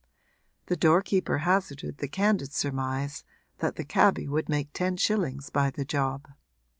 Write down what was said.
The doorkeeper hazarded the candid surmise that the cabby would make ten shillings by the job.